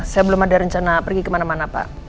saya belum ada rencana pergi kemana mana pak